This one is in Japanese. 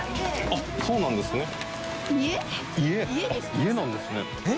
家なんですね。